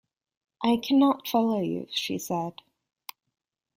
I cannot follow you, she said.